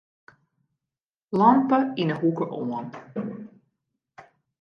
Lampe yn 'e hoeke oan.